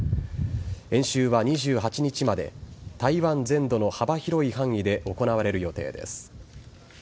演習は２８日まで台湾全土の幅広い範囲で行われる予定です。